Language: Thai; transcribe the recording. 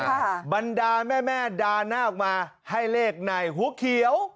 บรรดาแม่แม่ด่าหน้าออกมาให้เลขในหัวเขียว